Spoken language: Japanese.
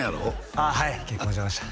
ああはい結婚しました